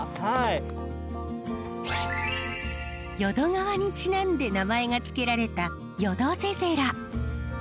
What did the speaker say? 淀川にちなんで名前が付けられたヨドゼゼラ。